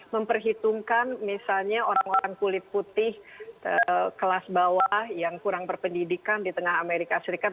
memperhitungkan misalnya orang orang kulit putih kelas bawah yang kurang berpendidikan di tengah amerika serikat